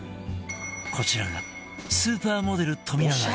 こちらがスーパーモデル冨永愛